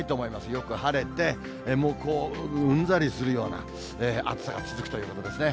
よく晴れて、もううんざりするような暑さが続くということですね。